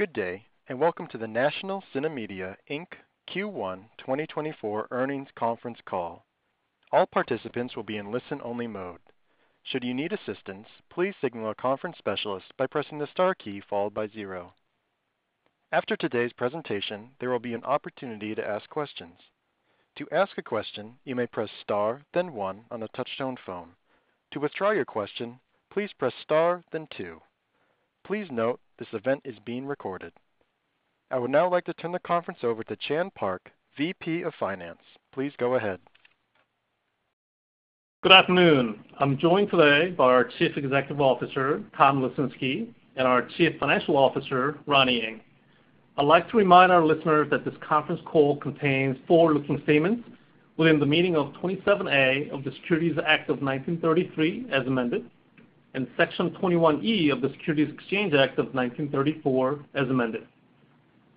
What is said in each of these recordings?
Good day, and welcome to the National CineMedia Inc. Q1 2024 Earnings Conference Call. All participants will be in listen-only mode. Should you need assistance, please signal a conference specialist by pressing the star key followed by zero. After today's presentation, there will be an opportunity to ask questions. To ask a question, you may press Star, then one on a touchtone phone. To withdraw your question, please press Star, then two. Please note, this event is being recorded. I would now like to turn the conference over to Chan Park, VP of Finance. Please go ahead. Good afternoon. I'm joined today by our Chief Executive Officer, Tom Lesinski, and our Chief Financial Officer, Ronnie Ng. I'd like to remind our listeners that this conference call contains forward-looking statements within the meaning of 27A of the Securities Act of 1933, as amended, and Section 21E of the Securities Exchange Act of 1934, as amended.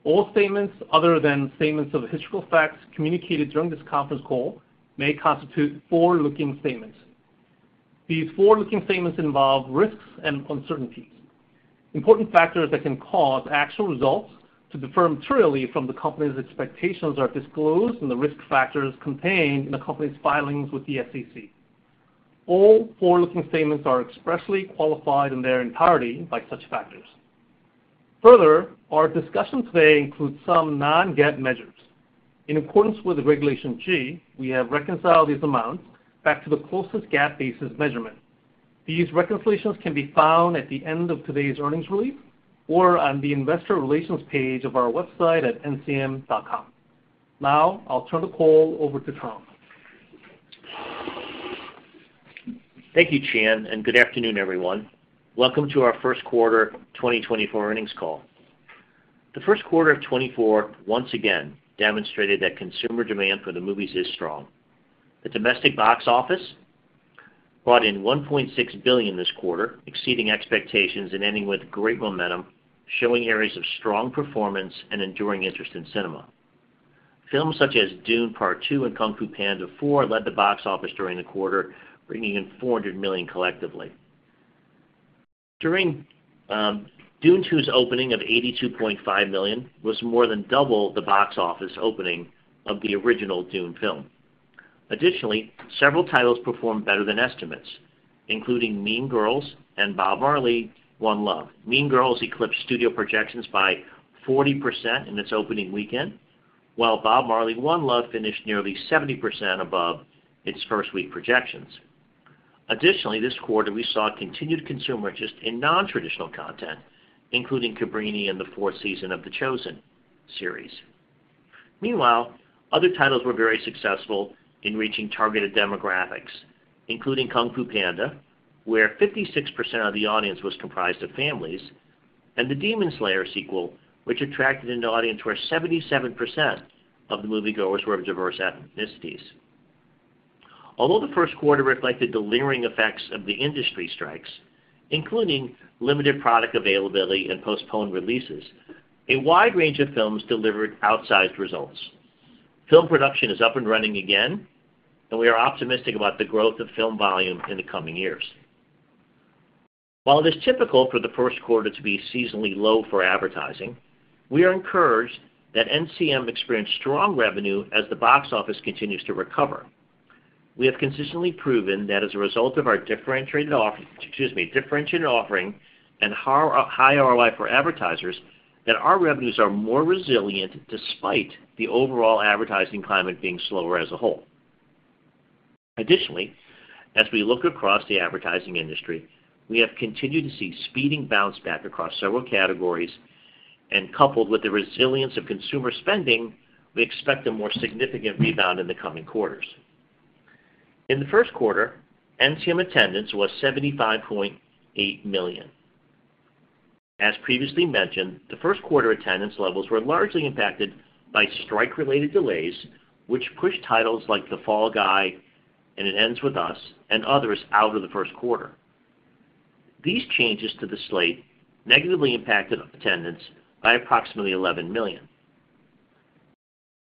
All statements other than statements of historical facts communicated during this conference call may constitute forward-looking statements. These forward-looking statements involve risks and uncertainties. Important factors that can cause actual results to differ materially from the company's expectations are disclosed in the risk factors contained in the company's filings with the SEC. All forward-looking statements are expressly qualified in their entirety by such factors. Further, our discussion today includes some non-GAAP measures. In accordance with Regulation G, we have reconciled these amounts back to the closest GAAP basis measurement. These reconciliations can be found at the end of today's earnings release or on the investor relations page of our website at ncm.com. Now, I'll turn the call over to Tom. Thank you, Chan, and good afternoon, everyone. Welcome to our Q1 2024 earnings call. The Q1 of 2024 once again demonstrated that consumer demand for the movies is strong. The domestic box office brought in $1.6 billion this quarter, exceeding expectations and ending with great momentum, showing areas of strong performance and enduring interest in cinema. Films such as Dune: Part Two and Kung Fu Panda 4 led the box office during the quarter, bringing in $400 million collectively. During Dune: Part Two's opening of $82.5 million was more than double the box office opening of the original Dune film. Additionally, several titles performed better than estimates, including Mean Girls and Bob Marley: One Love. Mean Girls eclipsed studio projections by 40% in its opening weekend, while Bob Marley: One Love finished nearly 70% above its first-week projections. Additionally, this quarter, we saw continued consumer interest in non-traditional content, including Cabrini and the fourth season of The Chosen series. Meanwhile, other titles were very successful in reaching targeted demographics, including Kung Fu Panda, where 56% of the audience was comprised of families, and The Demon Slayer sequel, which attracted an audience where 77% of the moviegoers were of diverse ethnicities. Although the Q1 reflected the lingering effects of the industry strikes, including limited product availability and postponed releases, a wide range of films delivered outsized results. Film production is up and running again, and we are optimistic about the growth of film volume in the coming years. While it is typical for the Q1 to be seasonally low for advertising, we are encouraged that NCM experienced strong revenue as the box office continues to recover. We have consistently proven that as a result of our differentiated offering and high, high ROI for advertisers, that our revenues are more resilient despite the overall advertising climate being slower as a whole. Additionally, as we look across the advertising industry, we have continued to see spending bounce back across several categories, and coupled with the resilience of consumer spending, we expect a more significant rebound in the coming quarters. In the Q1, NCM attendance was 75.8 million. As previously mentioned, the Q1 attendance levels were largely impacted by strike-related delays, which pushed titles like The Fall Guy and It Ends With Us and others out of the Q1. These changes to the slate negatively impacted attendance by approximately 11 million.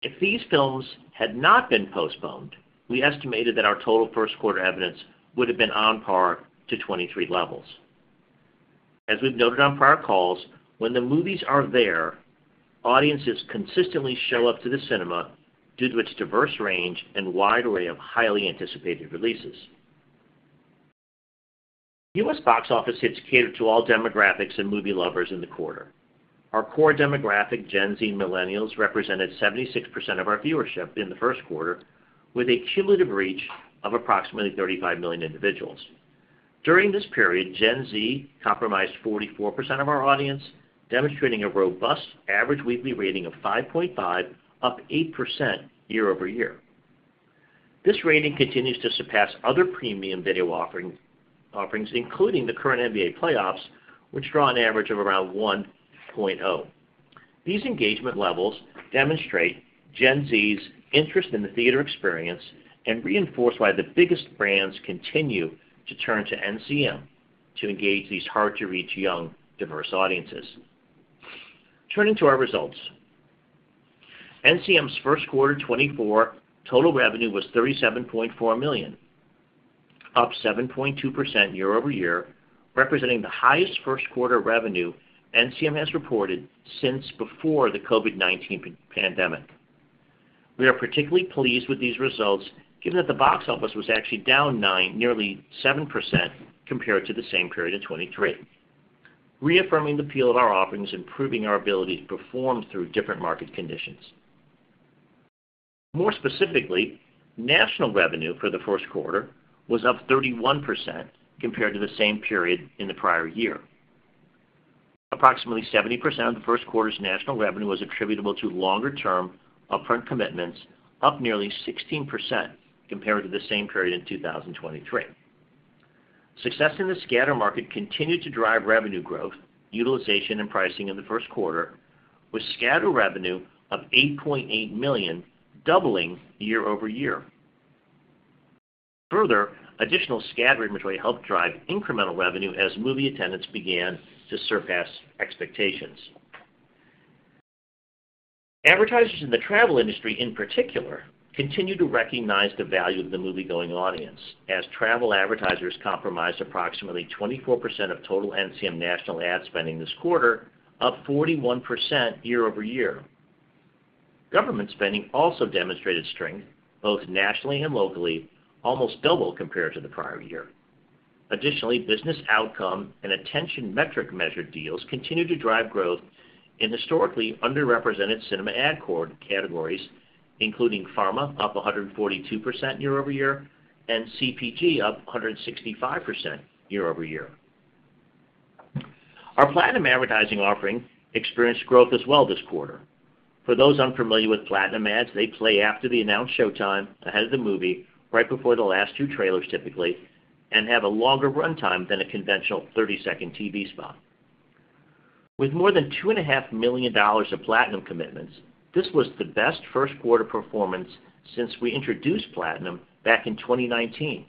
If these films had not been postponed, we estimated that our total first-quarter revenue would have been on par to 23 levels. As we've noted on prior calls, when the movies are there, audiences consistently show up to the cinema due to its diverse range and wide array of highly anticipated releases. U.S. box office hits catered to all demographics and movie lovers in the quarter. Our core demographic, Gen Z, Millennials, represented 76% of our viewership in the Q1, with a cumulative reach of approximately 35 million individuals. During this period, Gen Z comprised 44% of our audience, demonstrating a robust average weekly rating of 5.5, up 8% year-over-year. This rating continues to surpass other premium video offerings, including the current NBA playoffs, which draw an average of around 1.0. These engagement levels demonstrate Gen Z's interest in the theater experience and reinforce why the biggest brands continue to turn to NCM to engage these hard-to-reach, young, diverse audiences. Turning to our results. NCM's Q1 2024 total revenue was $37.4 million, up 7.2% year-over-year, representing the highest Q1 revenue NCM has reported since before the COVID-19 pandemic. We are particularly pleased with these results, given that the box office was actually down 9%, nearly 7% compared to the same period in 2023, reaffirming the appeal of our offerings and proving our ability to perform through different market conditions. More specifically, national revenue for the Q1 was up 31% compared to the same period in the prior year. Approximately 70% of the Q1's national revenue was attributable to longer-term Upfront commitments, up nearly 16% compared to the same period in 2023. Success in the Scatter Market continued to drive revenue growth, utilization, and pricing in the Q1, with scatter revenue of $8.8 million doubling year-over-year. Further, additional scatter inventory helped drive incremental revenue as movie attendance began to surpass expectations. Advertisers in the travel industry, in particular, continue to recognize the value of the moviegoing audience, as travel advertisers comprised approximately 24% of total NCM national ad spending this quarter, up 41% year-over-year. Government spending also demonstrated strength, both nationally and locally, almost double compared to the prior year. Additionally, business outcome and attention metric measured deals continued to drive growth in historically underrepresented cinema ad core categories, including pharma, up 142% year-over-year, and CPG, up 165% year-over-year. Our Platinum advertising offering experienced growth as well this quarter. For those unfamiliar with Platinum ads, they play after the announced showtime, ahead of the movie, right before the last two trailers, typically, and have a longer runtime than a conventional 30-second TV spot. With more than $2.5 million of Platinum commitments, this was the best Q1 performance since we introduced Platinum back in 2019,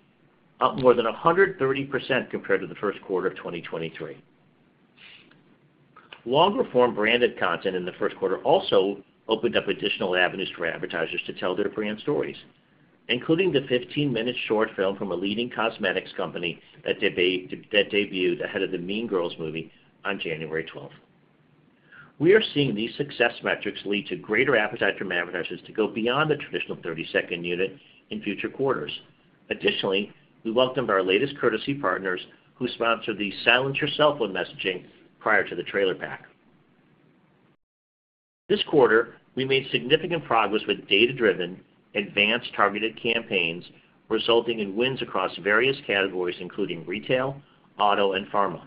up more than 130% compared to the Q1 of 2023. Longer-form branded content in the Q1 also opened up additional avenues for advertisers to tell their brand stories, including the 15-minute short film from a leading cosmetics company that debuted ahead of the Mean Girls movie on January 12, 2024. We are seeing these success metrics lead to greater appetite from advertisers to go beyond the traditional 30-second unit in future quarters. Additionally, we welcomed our latest courtesy partners, who sponsor the Silence Your Cell Phone messaging prior to the trailer pack. This quarter, we made significant progress with data-driven, advanced targeted campaigns, resulting in wins across various categories, including retail, auto, and pharma.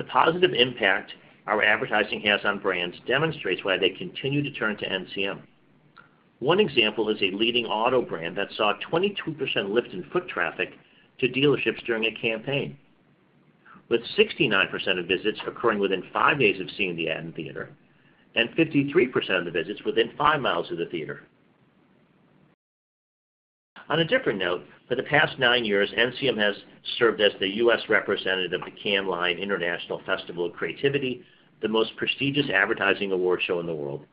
The positive impact our advertising has on brands demonstrates why they continue to turn to NCM. One example is a leading auto brand that saw 22% lift in foot traffic to dealerships during a campaign, with 69% of visits occurring within five days of seeing the ad in theater, and 53% of the visits within five mi of the theater. On a different note, for the past nine years, NCM has served as the U.S. representative of the Cannes Lions International Festival of Creativity, the most prestigious advertising awards show in the world.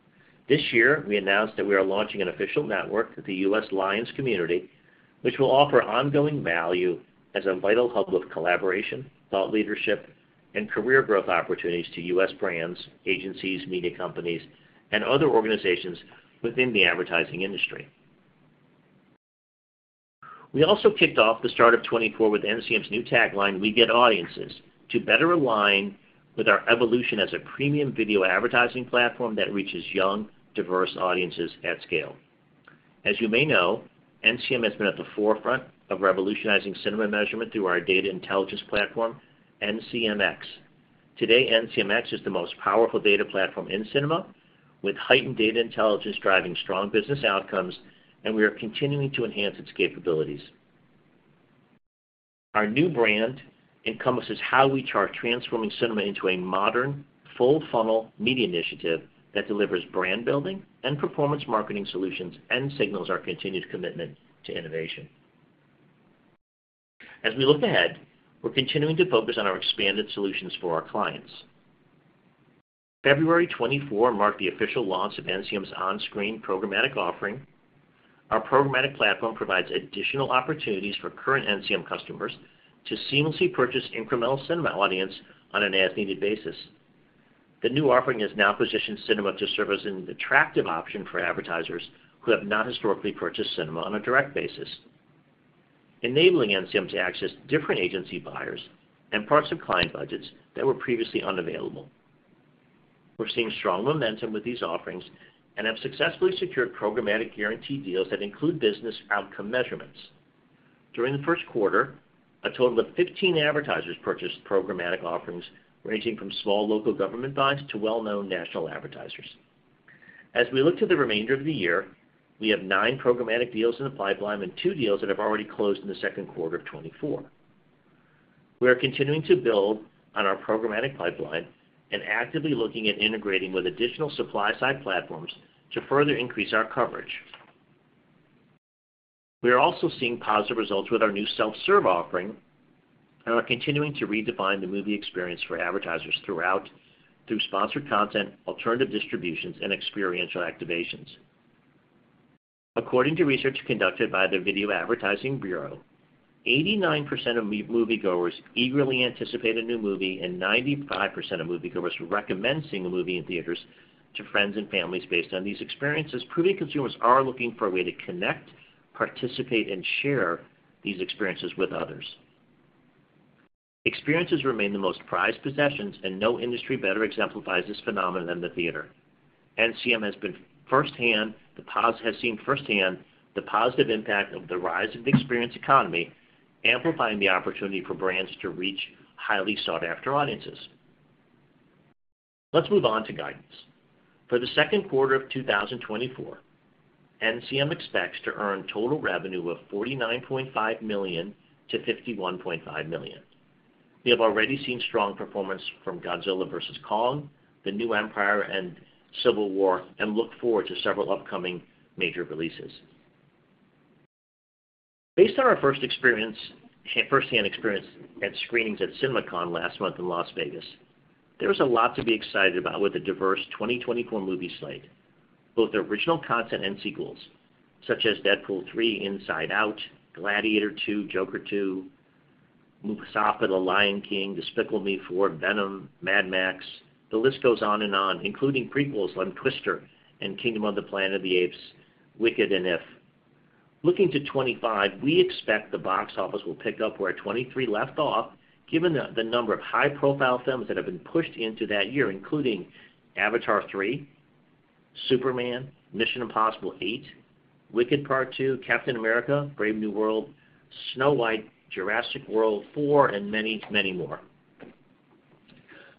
This year, we announced that we are launching an official network with the U.S. Lions community, which will offer ongoing value as a vital hub of collaboration, thought leadership, and career growth opportunities to U.S. brands, agencies, media companies, and other organizations within the advertising industry. We also kicked off the start of 2024 with NCM's new tagline, "We Get Audiences," to better align with our evolution as a premium video advertising platform that reaches young, diverse audiences at scale. As you may know, NCM has been at the forefront of revolutionizing cinema measurement through our data intelligence platform, NCMX. Today, NCMX is the most powerful data platform in cinema, with heightened data intelligence driving strong business outcomes, and we are continuing to enhance its capabilities. Our new brand encompasses how we chart transforming cinema into a modern, full-funnel media initiative that delivers brand building and performance marketing solutions and signals our continued commitment to innovation. As we look ahead, we're continuing to focus on our expanded solutions for our clients. February 2024 marked the official launch of NCM's on-screen programmatic offering. Our programmatic platform provides additional opportunities for current NCM customers to seamlessly purchase incremental cinema audience on an as-needed basis. The new offering has now positioned cinema to serve as an attractive option for advertisers who have not historically purchased cinema on a direct basis, enabling NCM to access different agency buyers and parts of client budgets that were previously unavailable. We're seeing strong momentum with these offerings and have successfully secured programmatic guaranteed deals that include business outcome measurements. During the Q1, a total of 15 advertisers purchased programmatic offerings, ranging from small local government buys to well-known national advertisers. As we look to the remainder of the year, we have 9 programmatic deals in the pipeline and two deals that have already closed in the Q2 of 2024. We are continuing to build on our programmatic pipeline and actively looking at integrating with additional supply-side platforms to further increase our coverage. We are also seeing positive results with our new self-serve offering and are continuing to redefine the movie experience for advertisers throughout sponsored content, alternative distributions, and experiential activations. According to research conducted by the Video Advertising Bureau, 89% of moviegoers eagerly anticipate a new movie, and 95% of moviegoers recommend seeing a movie in theaters to friends and families based on these experiences, proving consumers are looking for a way to connect, participate, and share these experiences with others. Experiences remain the most prized possessions, and no industry better exemplifies this phenomenon than the theater. NCM has seen firsthand the positive impact of the rise of the experience economy, amplifying the opportunity for brands to reach highly sought-after audiences. Let's move on to guidance. For the Q2 of 2024, NCM expects to earn total revenue of $49.5 million to $51.5 million. We have already seen strong performance from Godzilla versus Kong, The New Empire, and Civil War, and look forward to several upcoming major releases. Based on our firsthand experience at screenings at CinemaCon last month in Las Vegas, there is a lot to be excited about with the diverse 2024 movie slate. Both original content and sequels such as Deadpool 3, Inside Out, Gladiator 2, Joker 2, Mufasa: The Lion King, Despicable Me 4, Venom, Mad Max. The list goes on and on, including prequels on Twister and Kingdom of the Planet of the Apes, Wicked, and IF. Looking to 2025, we expect the box office will pick up where 2023 left off, given the number of high-profile films that have been pushed into that year, including Avatar 3, Superman, Mission Impossible 8, Wicked Part 2, Captain America: Brave New World, Snow White, Jurassic World 4, and many, many more.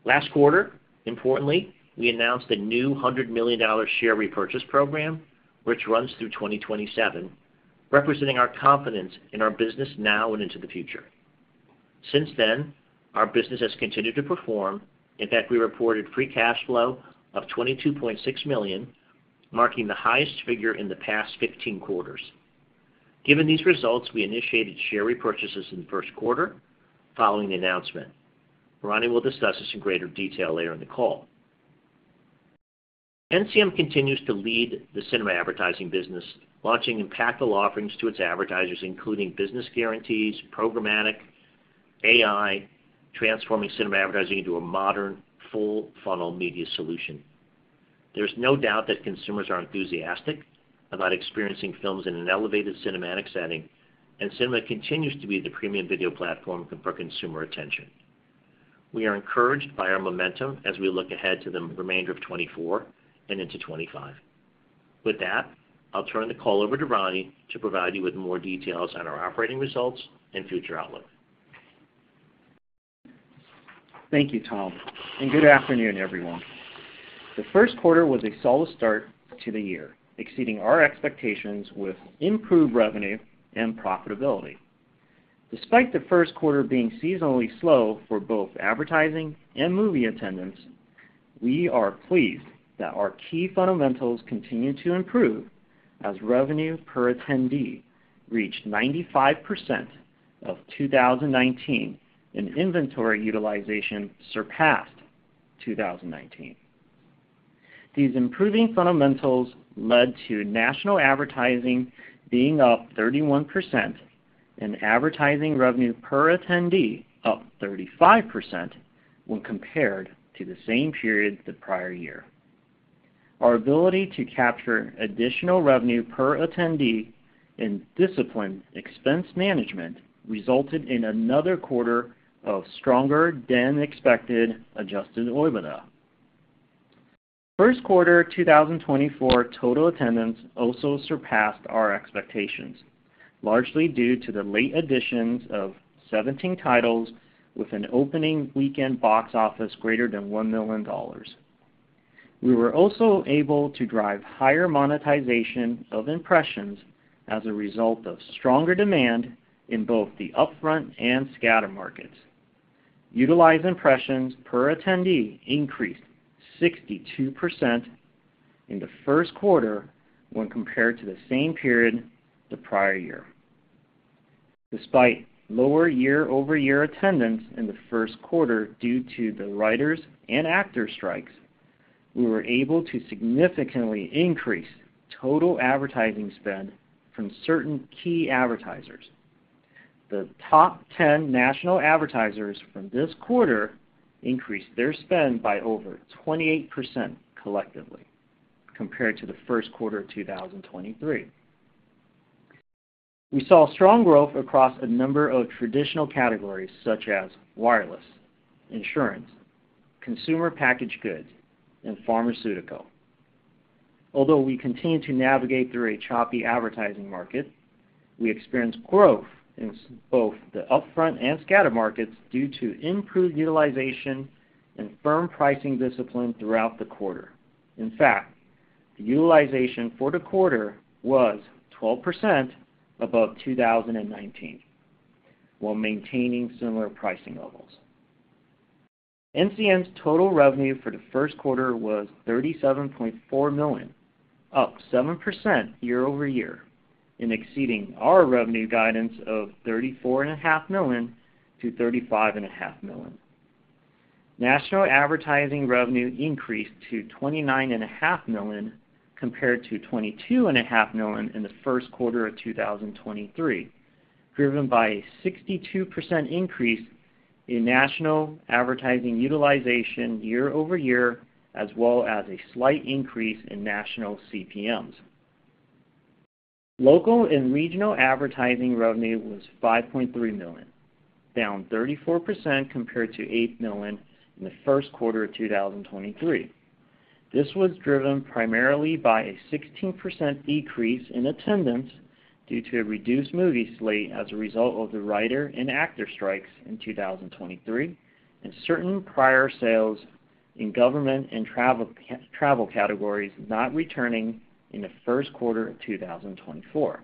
Last quarter, importantly, we announced a new $100 million share repurchase program, which runs through 2027, representing our confidence in our business now and into the future. Since then, our business has continued to perform. In fact, we reported free cash flow of $22.6 million, marking the highest figure in the past 15 quarters. Given these results, we initiated share repurchases in the Q1 following the announcement. Ronnie will discuss this in greater detail later in the call. NCM continues to lead the cinema advertising business, launching impactful offerings to its advertisers, including business guarantees, programmatic, AI, transforming cinema advertising into a modern, full-funnel media solution. There's no doubt that consumers are enthusiastic about experiencing films in an elevated cinematic setting, and cinema continues to be the premium video platform for consumer attention. We are encouraged by our momentum as we look ahead to the remainder of 2024 and into 2025. With that, I'll turn the call over to Ronnie to provide you with more details on our operating results and future outlook. Thank you, Tom, and good afternoon, everyone. The Q1 was a solid start to the year, exceeding our expectations with improved revenue and profitability. Despite the Q1 being seasonally slow for both advertising and movie attendance, we are pleased that our key fundamentals continue to improve as revenue per attendee reached 95% of 2019, and inventory utilization surpassed 2019. These improving fundamentals led to national advertising being up 31% and advertising revenue per attendee up 35% when compared to the same period the prior year. Our ability to capture additional revenue per attendee and disciplined expense management resulted in another quarter of stronger-than-expected Adjusted OIBDA. Q1 2024 total attendance also surpassed our expectations, largely due to the late additions of 17 titles with an opening weekend box office greater than $1 million. We were also able to drive higher monetization of impressions as a result of stronger demand in both the upfront and scatter markets. Utilized impressions per attendee increased 62% in the Q1 when compared to the same period the prior year. Despite lower year-over-year attendance in the Q1 due to the writers and actors strikes, we were able to significantly increase total advertising spend from certain key advertisers. The top 10 national advertisers from this quarter increased their spend by over 28% collectively, compared to the Q1 of 2023. We saw strong growth across a number of traditional categories such as wireless, insurance, consumer packaged goods, and pharmaceutical. Although we continue to navigate through a choppy advertising market, we experienced growth in both the upfront and scatter markets due to improved utilization and firm pricing discipline throughout the quarter. In fact, the utilization for the quarter was 12% above 2019, while maintaining similar pricing levels. NCM's total revenue for the Q1 was $37.4 million, up 7% year-over-year, and exceeding our revenue guidance of $34.5 million to $35.5 million. National advertising revenue increased to $29.5 million, compared to $22.5 million in the Q1 of 2023, driven by a 62% increase in national advertising utilization year-over-year, as well as a slight increase in national CPMs. Local and regional advertising revenue was $5.3 million, down 34% compared to $8 million in the Q1 of 2023. This was driven primarily by a 16% decrease in attendance due to a reduced movie slate as a result of the writer and actor strikes in 2023, and certain prior sales in government and travel categories not returning in the Q1 of 2024.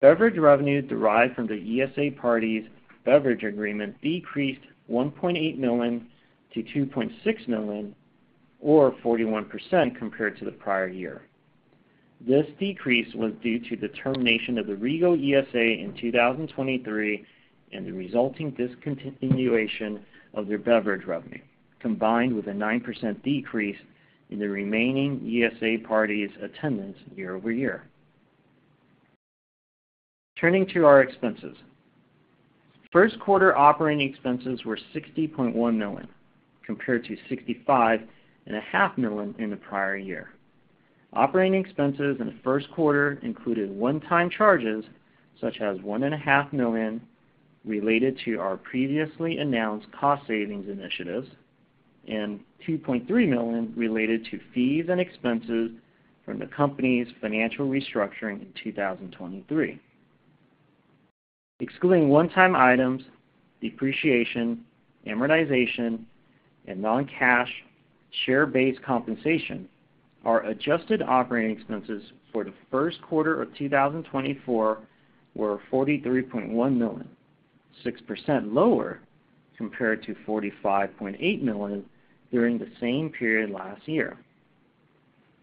Beverage revenue derived from the ESA parties' beverage agreement decreased $1.8 million to $2.6 million, or 41% compared to the prior year. This decrease was due to the termination of the Regal ESA in 2023, and the resulting discontinuation of their beverage revenue, combined with a 9% decrease in the remaining ESA parties' attendance year-over-year. Turning to our expenses. Q1 operating expenses were $60.1 million, compared to $65.5 million in the prior year. Operating expenses in the Q1 included one-time charges, such as $1.5 million related to our previously announced cost savings initiatives, and $2.3 million related to fees and expenses from the company's financial restructuring in 2023. Excluding one-time items, depreciation, amortization, and non-cash share-based compensation, our adjusted operating expenses for the Q1 of 2024 were $43.1 million, 6% lower compared to $45.8 million during the same period last year.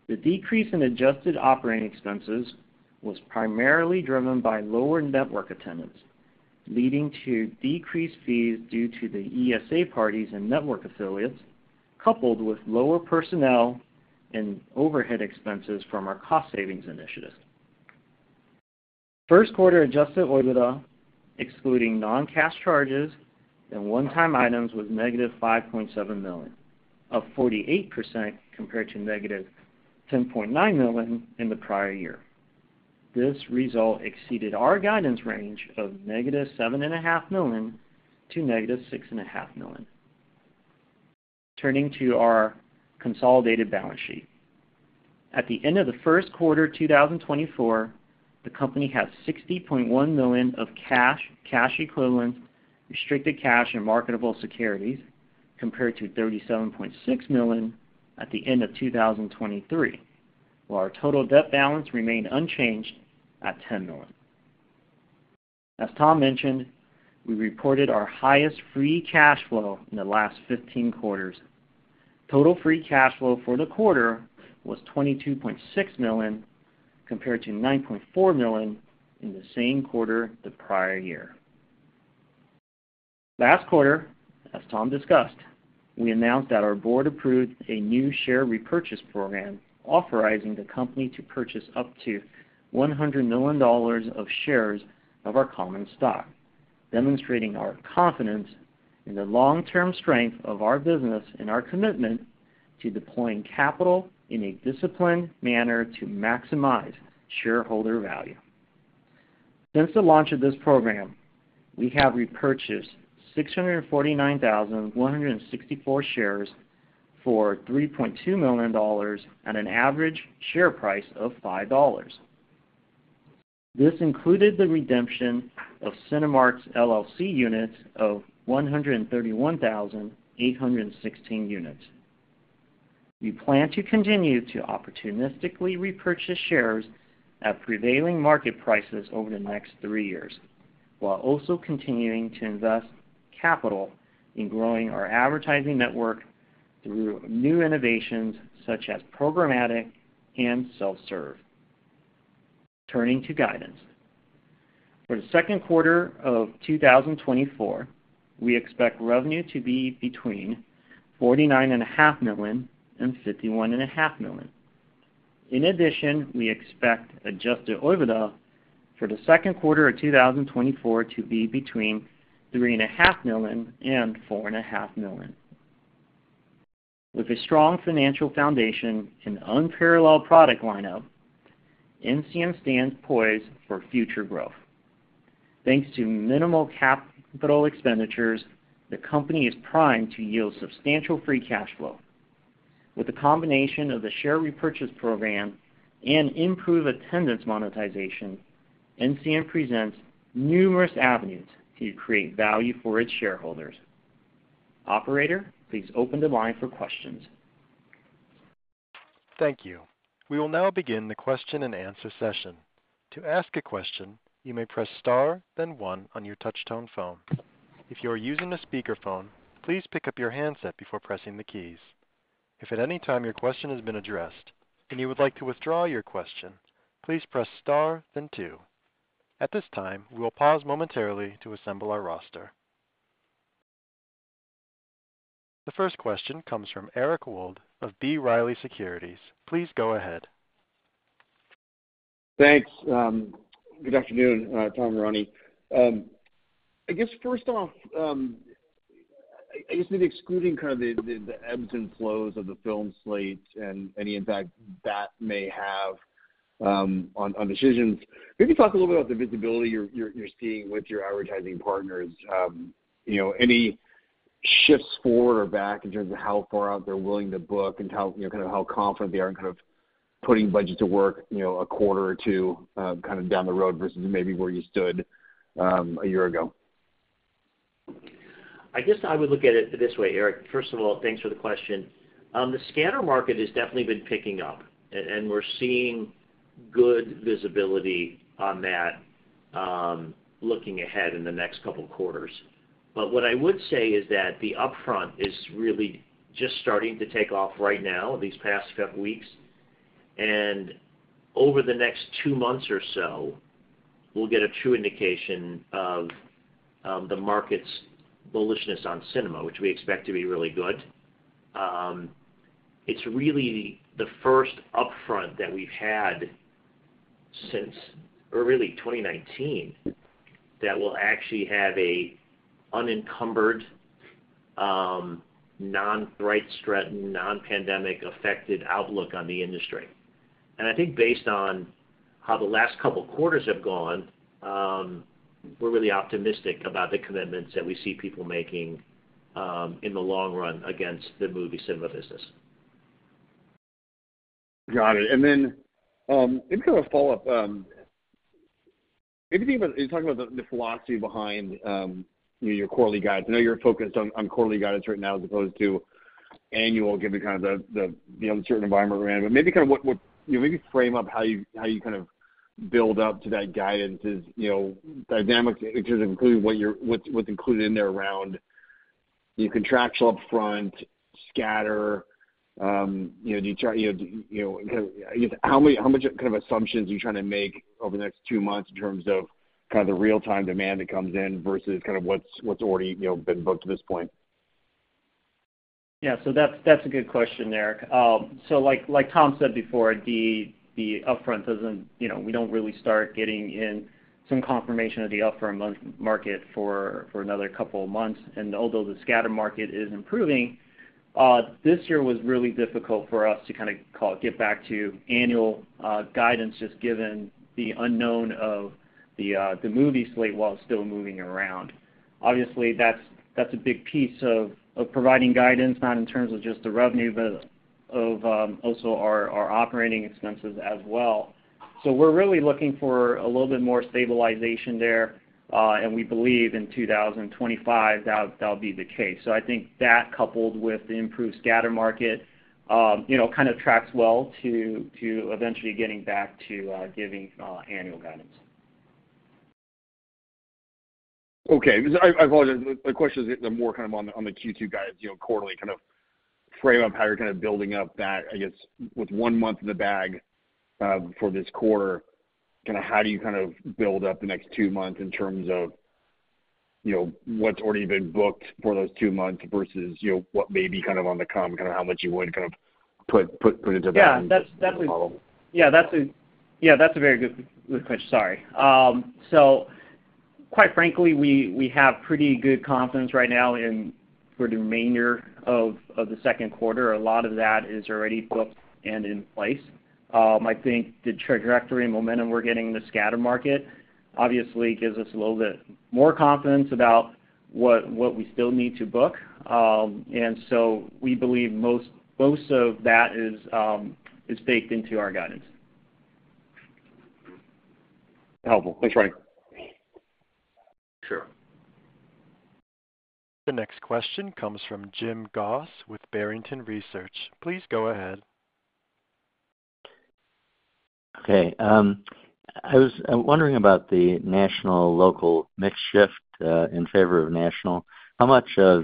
The decrease in adjusted operating expenses was primarily driven by lower network attendance, leading to decreased fees due to the ESA parties and network affiliates, coupled with lower personnel and overhead expenses from our cost savings initiatives. Q1 Adjusted OIBDA, excluding non-cash charges and one-time items, was negative $5.7 million, up 48% compared to negative $10.9 million in the prior year. This result exceeded our guidance range of negative $7.5 million-negative $6.5 million. Turning to our consolidated balance sheet. At the end of the Q1, 2024, the company had $60.1 million of cash, cash equivalents, restricted cash, and marketable securities, compared to $37.6 million at the end of 2023, while our total debt balance remained unchanged at $10 million. As Tom mentioned, we reported our highest free cash flow in the last 15 quarters. Total free cash flow for the quarter was $22.6 million, compared to $9.4 million in the same quarter the prior year. Last quarter, as Tom discussed, we announced that our board approved a new share repurchase program, authorizing the company to purchase up to $100 million of shares of our common stock, demonstrating our confidence in the long-term strength of our business and our commitment to deploying capital in a disciplined manner to maximize shareholder value. Since the launch of this program, we have repurchased 649,164 shares for $3.2 million at an average share price of $5. This included the redemption of Cinemark's LLC units of 131,816 units. We plan to continue to opportunistically repurchase shares at prevailing market prices over the next three years, while also continuing to invest capital in growing our advertising network through new innovations, such as programmatic and self-serve. Turning to guidance. For the Q2 of 2024, we expect revenue to be between $49.5 million and $51.5 million. In addition, we expect adjusted OIBDA for the Q2 of 2024 to be between $3.5 million and $4.5 million. With a strong financial foundation and unparalleled product lineup, NCM stands poised for future growth. Thanks to minimal capital expenditures, the company is primed to yield substantial free cash flow. With the combination of the share repurchase program and improved attendance monetization, NCM presents numerous avenues to create value for its shareholders. Operator, please open the line for questions. Thank you. We will now begin the question-and-answer session. To ask a question, you may press star, then one on your touchtone phone. If you are using a speakerphone, please pick up your handset before pressing the keys. If at any time your question has been addressed and you would like to withdraw your question, please press star, then two. At this time, we will pause momentarily to assemble our roster. The first question comes from Eric Wold of B. Riley Securities. Please go ahead. Thanks. Good afternoon, Tom and Ronnie. I guess first off, I guess maybe excluding kind of the ebbs and flows of the film slate and any impact that may have on decisions, maybe talk a little bit about the visibility you're seeing with your advertising partners. You know, any shifts forward or back in terms of how far out they're willing to book and how, you know, kind of how confident they are in kind of putting budget to work, you know, a quarter or two kind of down the road versus maybe where you stood a year ago? I guess I would look at it this way, Eric. First of all, thanks for the question. The Scatter Market has definitely been picking up, and we're seeing good visibility on that, looking ahead in the next couple quarters. But what I would say is that the Upfront is really just starting to take off right now, these past couple weeks, and over the next two months or so, we'll get a true indication of the market's bullishness on cinema, which we expect to be really good. It's really the first Upfront that we've had since early 2019 that will actually have an unencumbered, non-strike-threatened, non-pandemic affected outlook on the industry. I think based on how the last couple quarters have gone, we're really optimistic about the commitments that we see people making in the long run against the movie cinema business. Got it. And then, maybe kind of a follow-up. Maybe think about... Can you talk about the philosophy behind, you know, your quarterly guidance? I know you're focused on quarterly guidance right now, as opposed to annual, given kind of the uncertain environment we're in. But maybe kind of what... You maybe frame up how you kind of build up to that guidance is, you know, dynamically, in terms of including what's included in there around your contractual upfront, scatter, you know, do you try, you know, do you know, I guess, how many, how much kind of assumptions are you trying to make over the next two months in terms of kind of the real-time demand that comes in versus kind of what's already, you know, been booked at this point? Yeah, so that's a good question, Eric. So like, like Tom said before, the Upfront doesn't, you know, we don't really start getting in some confirmation of the Upfront money market for another couple of months. And although the Scatter Market is improving, this year was really difficult for us to kind of get back to annual guidance, just given the unknown of the movie slate while it's still moving around. Obviously, that's a big piece of providing guidance, not in terms of just the revenue, but of also our operating expenses as well. So we're really looking for a little bit more stabilization there, and we believe in 2025, that'll be the case. So I think that, coupled with the improved Scatter Market, you know, kind of tracks well to eventually getting back to giving annual guidance. Okay. The question is more kind of on the Q2 guidance, you know, quarterly, kind of frame up how you're kind of building up that. I guess, with one month in the bag, for this quarter, kind of how do you kind of build up the next two months in terms of, you know, what's already been booked for those two months versus, you know, what may be kind of on the come, kind of how much you would kind of put into that? Yeah, that's a very good question. Sorry. So quite frankly, we have pretty good confidence right now in for the remainder of the Q2. A lot of that is already booked and in place. I think the trajectory and momentum we're getting in the Scatter Market obviously gives us a little bit more confidence about what we still need to book. And so we believe most of that is baked into our guidance. Helpful. Thanks, Ronnie. Sure. The next question comes from Jim Goss with Barrington Research. Please go ahead. Okay, I was wondering about the national-local mix shift in favor of national. How much did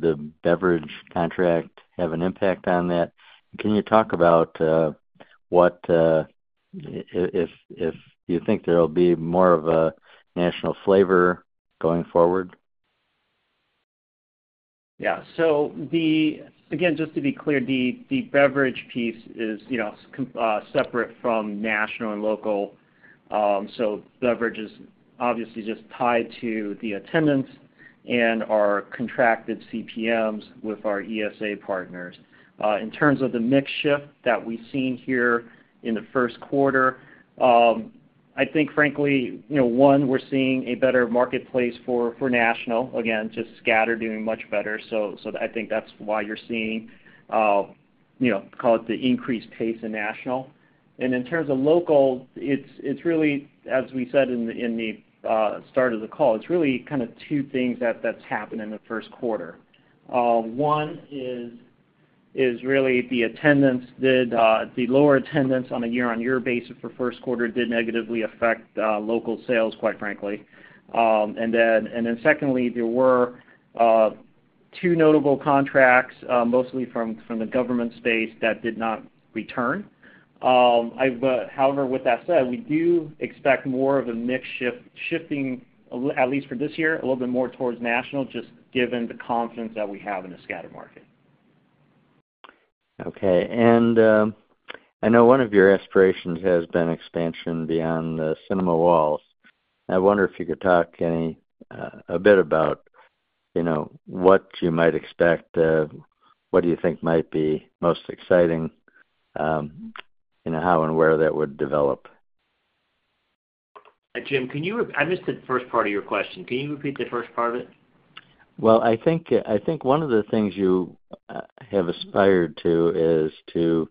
the beverage contract have an impact on that? Can you talk about what if you think there will be more of a national flavor going forward? Yeah. So again, just to be clear, the beverage piece is, you know, separate from national and local. So beverage is obviously just tied to the attendance and our contracted CPMs with our ESA partners. In terms of the mix shift that we've seen here in the Q1, I think frankly, you know, one, we're seeing a better marketplace for national. Again, just scatter doing much better. So I think that's why you're seeing you know, call it the increased pace in national. And in terms of local, it's really, as we said in the start of the call, it's really kind of two things that's happened in the Q1. One is really the lower attendance on a year-on-year basis for Q1 did negatively affect local sales, quite frankly. And then secondly, there were two notable contracts, mostly from the government space, that did not return. But however, with that said, we do expect more of a mix shift, at least for this year, a little bit more towards national, just given the confidence that we have in the scatter market. Okay. I know one of your aspirations has been expansion beyond the cinema walls. I wonder if you could talk any, a bit about, you know, what you might expect, what do you think might be most exciting, you know, how and where that would develop? Jim, can you? I missed the first part of your question. Can you repeat the first part of it? Well, I think one of the things you have aspired to is to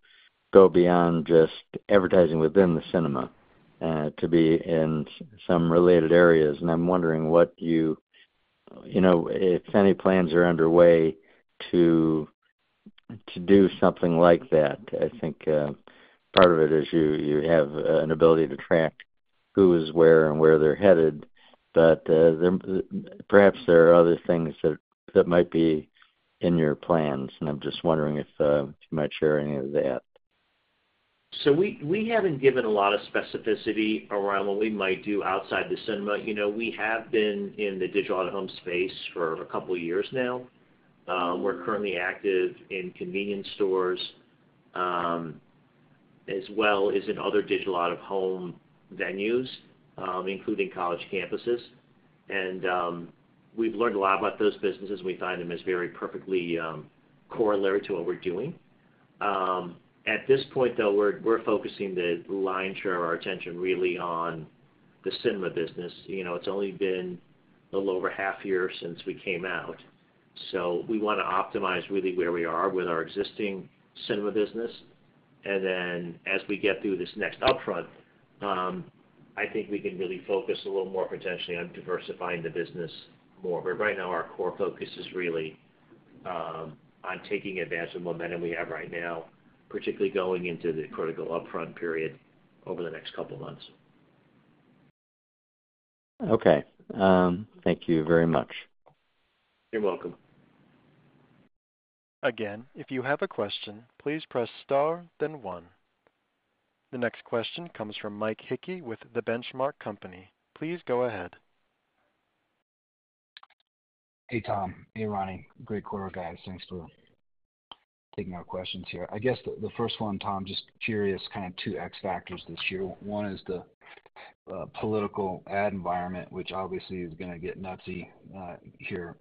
go beyond just advertising within the cinema, to be in some related areas. And I'm wondering what you... You know, if any plans are underway to do something like that. I think part of it is you have an ability to track who is where and where they're headed, but there, perhaps there are other things that might be in your plans, and I'm just wondering if you might share any of that. So we haven't given a lot of specificity around what we might do outside the cinema. You know, we have been in the digital out-of-home space for a couple of years now. We're currently active in convenience stores, as well as in other digital out-of-home venues, including college campuses. And we've learned a lot about those businesses. We find them as very perfectly corollary to what we're doing. At this point, though, we're focusing the lion's share of our attention really on the cinema business. You know, it's only been a little over half a year since we came out, so we want to optimize really where we are with our existing cinema business. And then as we get through this next upfront, I think we can really focus a little more potentially on diversifying the business more. Right now, our core focus is really on taking advantage of the momentum we have right now, particularly going into the critical Upfront period over the next couple of months. Okay, thank you very much. You're welcome. Again, if you have a question, please press star, then one. The next question comes from Mike Hickey with The Benchmark Company. Please go ahead. Hey, Tom. Hey, Ronnie. Great quarter, guys. Thanks for taking our questions here. I guess the first one, Tom, just curious, kind of, two X factors this year. One is the political ad environment, which obviously is going to get nutsy here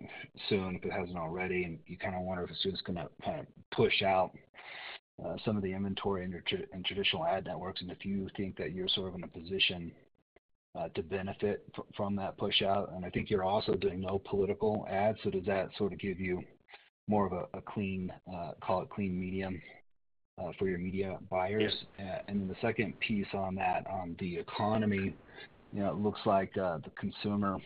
soon, if it hasn't already, and you kind of wonder if it's soon going to kind of push out some of the inventory in your traditional ad networks, and if you think that you're sort of in a position to benefit from that push out. And I think you're also doing no political ads, so does that sort of give you more of a clean, call it clean medium for your media buyers? Yeah. And then the second piece on that, on the economy, you know, it looks like, the consumer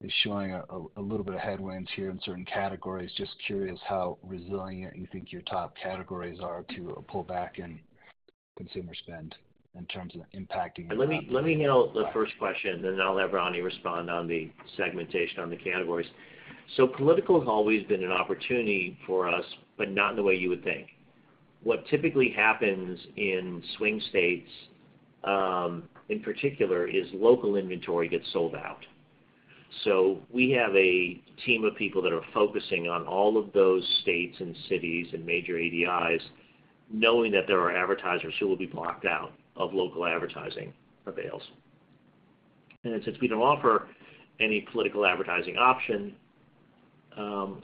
is showing a little bit of headwinds here in certain categories. Just curious how resilient you think your top categories are to a pullback in consumer spend in terms of impacting your- Let me, let me handle the first question, then I'll have Ronnie respond on the segmentation on the categories. So political has always been an opportunity for us, but not in the way you would think. What typically happens in swing states, in particular, is local inventory gets sold out. So we have a team of people that are focusing on all of those states and cities and major ADIs, knowing that there are advertisers who will be blocked out of local advertising avails. And since we don't offer any political advertising option,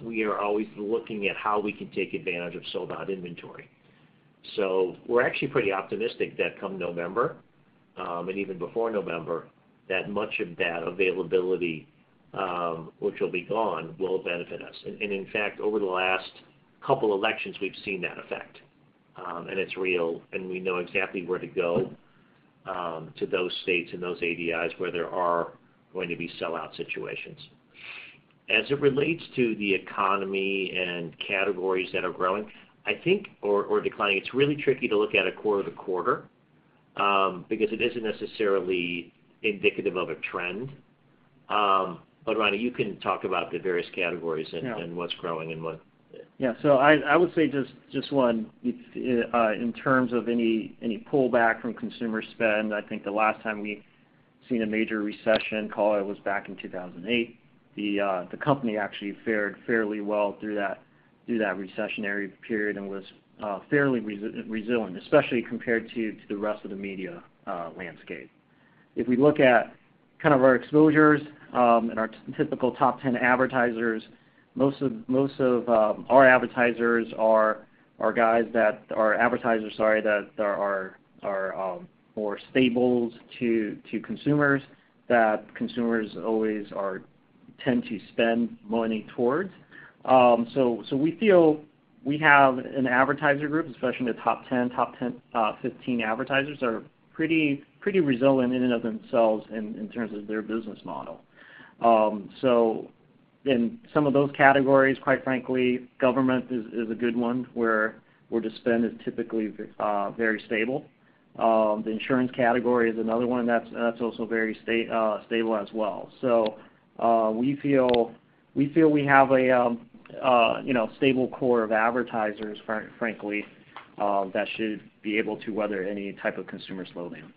we are always looking at how we can take advantage of sold-out inventory. So we're actually pretty optimistic that come November, and even before November, that much of that availability, which will be gone, will benefit us. In fact, over the last couple elections, we've seen that effect, and it's real, and we know exactly where to go, to those states and those ADIs, where there are going to be sellout situations. As it relates to the economy and categories that are growing, I think or declining, it's really tricky to look at a quarter-to-quarter, because it isn't necessarily indicative of a trend. But Ronnie, you can talk about the various categories- Yeah and what's growing and what Yeah. So I would say just one in terms of any pullback from consumer spend. I think the last time we seen a major recession call, it was back in 2008. The company actually fared fairly well through that recessionary period and was fairly resilient, especially compared to the rest of the media landscape. If we look at kind of our exposures and our typical top 10 advertisers, most of our advertisers are guys that are advertisers, sorry, that are more stable to consumers, that consumers always are tend to spend money towards. So we feel we have an advertiser group, especially in the top 10, 15 advertisers, are pretty resilient in and of themselves in terms of their business model. So in some of those categories, quite frankly, government is a good one, where the spend is typically very stable. The insurance category is another one, and that's also very stable as well. So we feel we have a, you know, stable core of advertisers, quite frankly, that should be able to weather any type of consumer slowdown.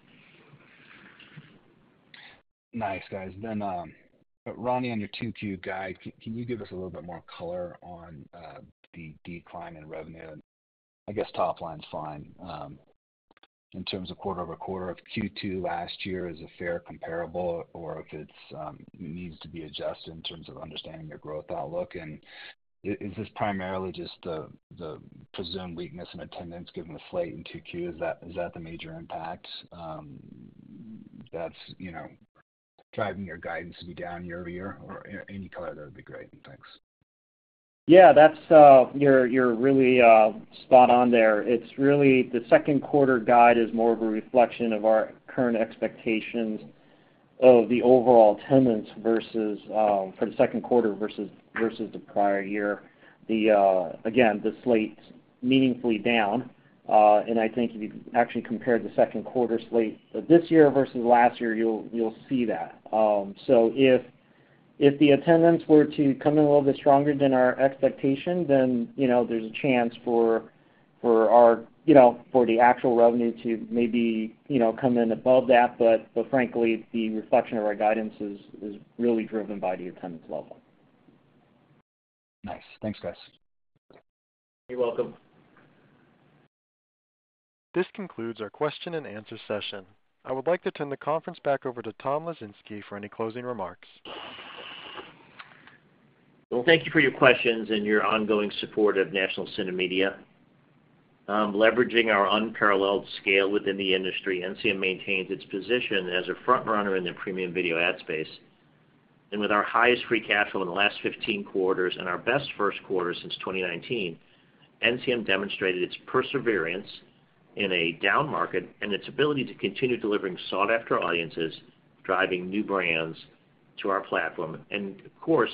Nice, guys. But Ronnie, on your Q2 guide, can you give us a little bit more color on the decline in revenue? I guess top line's fine. In terms of quarter-over-quarter of Q2 last year, is a fair comparable or if it needs to be adjusted in terms of understanding your growth outlook. And is this primarily just the presumed weakness in attendance, given the slate in Q2? Is that the major impact that's, you know, driving your guidance to be down year-over-year? Or any color, that would be great. Thanks. Yeah, that's, you're really spot on there. It's really the Q2 guide is more of a reflection of our current expectations of the overall attendance versus for the Q2 versus the prior year. Again, the slate's meaningfully down, and I think if you actually compare the Q2 slate of this year versus last year, you'll see that. So if the attendance were to come in a little bit stronger than our expectation, then, you know, there's a chance for our, you know, for the actual revenue to maybe, you know, come in above that. But frankly, the reflection of our guidance is really driven by the attendance level. Nice. Thanks, guys. You're welcome. This concludes our question and answer session. I would like to turn the conference back over to Tom Lesinski for any closing remarks. Well, thank you for your questions and your ongoing support of National CineMedia. Leveraging our unparalleled scale within the industry, NCM maintains its position as a front-runner in the premium video ad space. With our highest free cash flow in the last 15 quarters and our best Q1 since 2019, NCM demonstrated its perseverance in a down market and its ability to continue delivering sought-after audiences, driving new brands to our platform, and of course,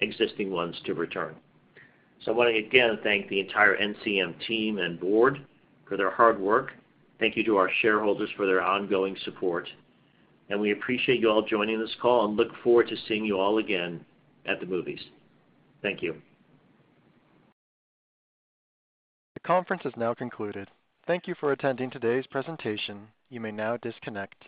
existing ones to return. I want to again thank the entire NCM team and board for their hard work. Thank you to our shareholders for their ongoing support, and we appreciate you all joining this call and look forward to seeing you all again at the movies. Thank you. The conference has now concluded. Thank you for attending today's presentation. You may now disconnect.